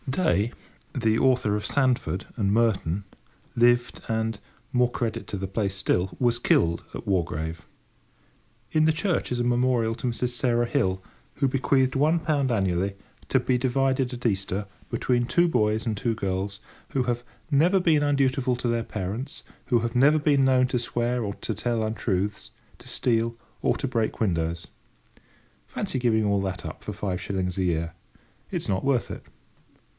Day, the author of Sandford and Merton, lived and—more credit to the place still—was killed at Wargrave. In the church is a memorial to Mrs. Sarah Hill, who bequeathed 1 pound annually, to be divided at Easter, between two boys and two girls who "have never been undutiful to their parents; who have never been known to swear or to tell untruths, to steal, or to break windows." Fancy giving up all that for five shillings a year! It is not worth it.